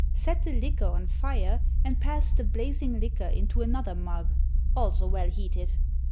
Set the liquor on fire, and pass the blazing liquor into another mug, also well heated.